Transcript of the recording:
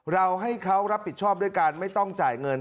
เราให้เขารับผิดชอบด้วยการไม่ต้องจ่ายเงิน